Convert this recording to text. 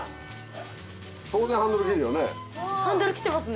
当然ハンドル切るよね。